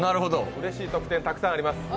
うれしい特典がたくさんあります。